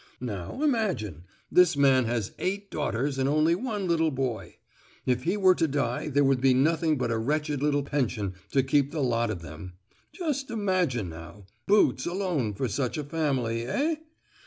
Now, imagine, this man has eight daughters and only one little boy: if he were to die there would be nothing but a wretched little pension to keep the lot of them. Just imagine now—boots alone for such a family, eh?